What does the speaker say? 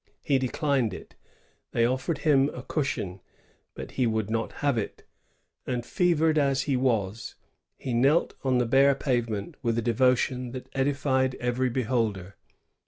He declined it. They offered him a cushion, but he would not have it; and, fevered as he was, he knelt on the bare pavement with a devotion that edified every beholder.